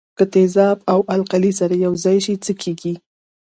که تیزاب او القلي سره یوځای شي څه کیږي.